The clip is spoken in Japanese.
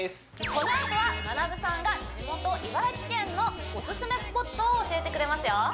このあとはまなぶさんが地元茨城県のオススメスポットを教えてくれますよ